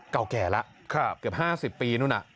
เก่าแก่ละเกือบ๕๐ปีนู้น